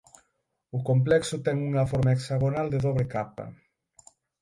O complexo ten unha forma hexagonal de dobre capa.